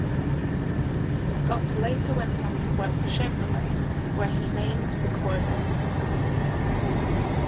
Scott later went on to work for Chevrolet, where he named the Corvette.